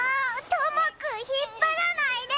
トモくん引っ張らないで！